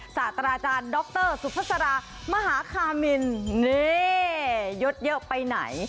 ศาสตราจารย์ดรสุภาษารามหาคามินนี่ยดเยอะไปไหน